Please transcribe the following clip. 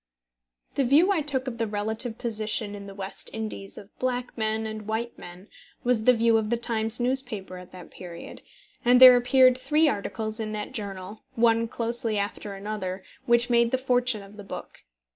The view I took of the relative position in the West Indies of black men and white men was the view of the Times newspaper at that period; and there appeared three articles in that journal, one closely after another, which made the fortune of the book.